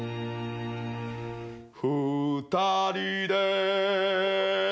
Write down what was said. ２人で